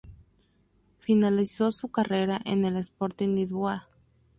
Finalizó su carrera en el Sporting Lisboa.